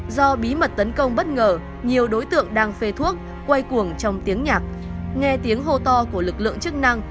do bí mật tấn công bất ngờ nhiều đối tượng đang phê thuốc quây cuồng trong tiếng nhạc nghe tiếng hô to của lực lượng chức năng